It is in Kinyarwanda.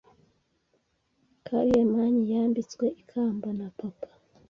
Charlemagne yambitswe ikamba na Papa.